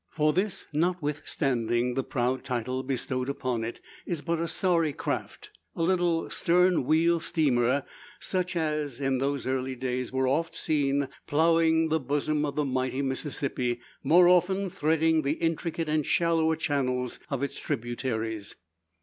For this, notwithstanding the proud title bestowed upon it, is but a sorry craft; a little "stern wheel" steamer, such as, in those early days, were oft seen ploughing the bosom of the mighty Mississippi, more often threading the intricate and shallower channels of its tributaries.